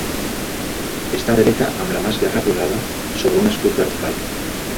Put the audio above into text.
Està dreta amb la mà esquerra posada sobre un escut vertical.